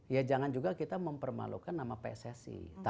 ya jangan juga kita mempermalukan nama pssi